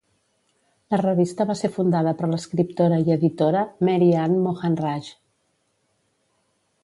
La revista va ser fundada per l'escriptora i editora Mary Anne Mohanraj.